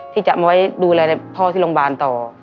จะมาไว้ดูแลพ่อที่โรงพยาบาลต่อ